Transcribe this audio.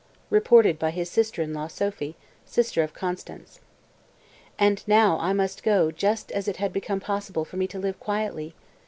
(Reported by his sister in law, Sophie, sister of Constanze.) 229. "And now I must go just as it had become possible for me to live quietly.